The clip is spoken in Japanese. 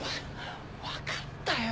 分かったよ。